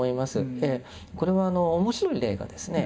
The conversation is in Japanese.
これは面白い例がですね